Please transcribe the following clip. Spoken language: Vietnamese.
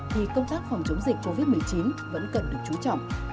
thì công tác phòng chống dịch covid một mươi chín vẫn cần được chú trọng